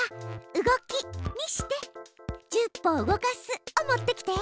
「動き」にして「１０歩動かす」を持ってきて。